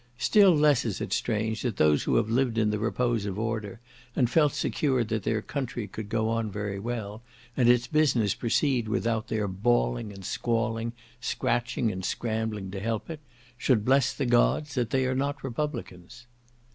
Still less is it strange that those who have lived in the repose of order, and felt secure that their country could go on very well, and its business proceed without their bawling and squalling, scratching and scrambling to help it, should bless the gods that they are not republicans.